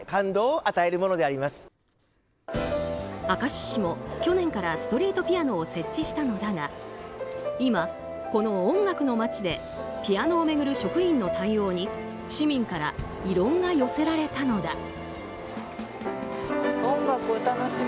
明石市も去年からストリートピアノを設置したのだが今、この音楽の街でピアノを巡る職員の対応に市民から異論が寄せられたのだ。